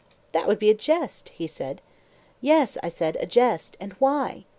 That would be a jest, he said. Yes, I said, a jest; and why?